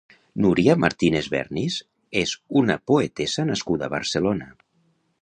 Núria Martínez-Vernis és una poetessa nascuda a Barcelona.